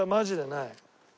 ない？